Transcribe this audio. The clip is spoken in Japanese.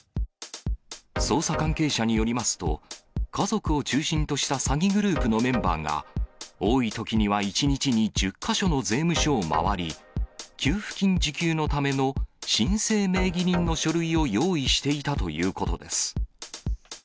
捜査関係者によりますと、家族を中心とした詐欺グループのメンバーが、多いときには１日に１０か所の税務署を回り、給付金受給のための申請名義人の書類を用意していたということです。